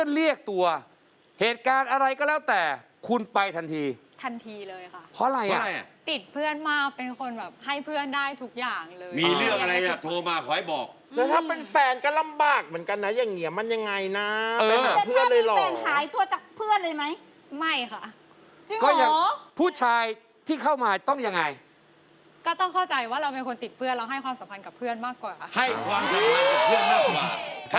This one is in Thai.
ให้ความสามารถอย่างกับเพื่อนมากกว่า